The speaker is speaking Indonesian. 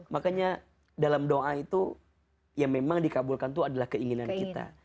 makanya dalam doa itu yang memang dikabulkan itu adalah keinginan kita